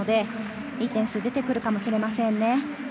いい点数が出てくるかもしれませんね。